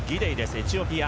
エチオピア。